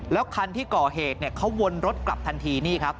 แล้วคันที่ก่อเหตุเขาวนรถกลับทันทีนี่ครับ